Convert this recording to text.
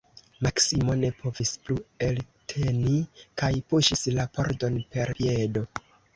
Maksimo ne povis plu elteni kaj puŝis la pordon per piedo.